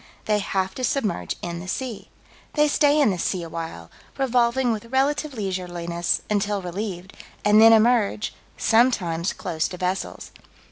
They have to submerge in the sea. They stay in the sea awhile, revolving with relative leisureliness, until relieved, and then emerge, sometimes close to vessels.